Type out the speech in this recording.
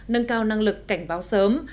nâng cao năng lực cảnh báo sớm